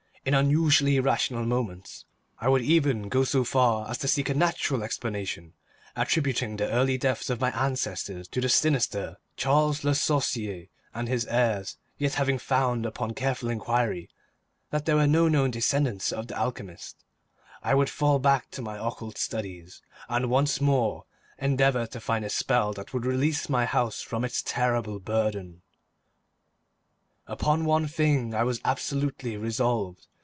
In unusually rational moments, I would even go so far as to seek a natural explanation, attributing the early deaths of my ancestors to the sinister Charles Le Sorcier and his heirs; yet having found upon careful inquiry that there were no known descendants of the alchemist, I would fall back to my occult studies, and once more endeavour to find a spell that would release my house from its terrible burden. Upon one thing I was absolutely resolved.